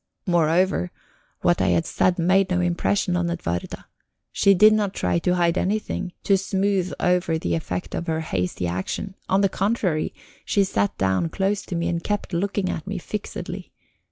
Moreover, what I had said made no impression on Edwarda. She did not try to hide anything, to smooth over the effect of her hasty action: on the contrary, she sat down close to me and kept looking at me fixedly.